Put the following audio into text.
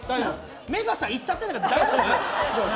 目がいっちゃってるんだけど。